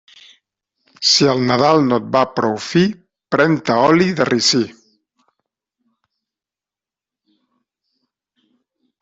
Si el Nadal no et va prou fi, pren-te oli de ricí.